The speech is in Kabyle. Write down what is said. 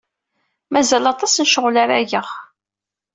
Mazal aṭas n ccɣel ara geɣ.